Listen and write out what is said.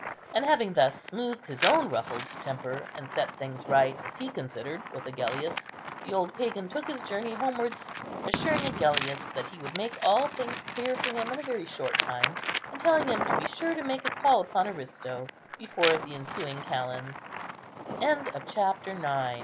And having thus smoothed his own ruffled temper, and set things right, as he considered, with Agellius, the old pagan took his journey homewards, assuring Agellius that he would make all things clear for him in a very short time, and telling him to be sure to make a call upon Aristo before the ensuing ca